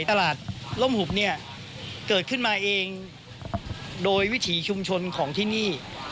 ตลาดร่มหุบเนี่ยเกิดขึ้นมาเองโดยวิถีชุมชนของที่นี่